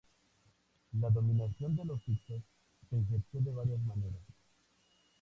La dominación de los hicsos se ejerció de varias maneras.